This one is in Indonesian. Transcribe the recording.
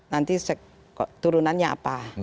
nanti turunannya apa